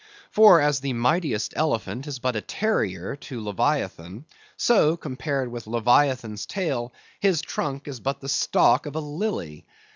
For as the mightiest elephant is but a terrier to Leviathan, so, compared with Leviathan's tail, his trunk is but the stalk of a lily.